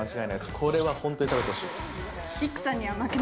これは本当に食べてほしいです。